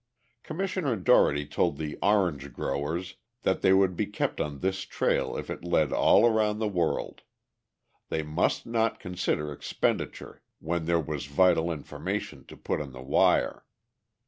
Commissioner Dougherty told the "Orange Growers" that they would be kept on this trail if it led all around the world. They must not consider expenditure when there was vital information to put on the wire.